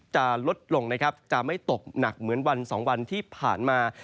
จะลดลงนะครับจะไม่ตกหนักเหมือนวันสองวันที่ผ่านมา